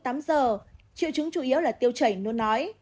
triệu chứng chủ yếu là tiêu chảy nó nói